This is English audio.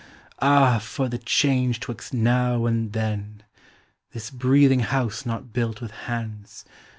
Ah! for the change 'twixt Now and Then! This breathing house not built with hands.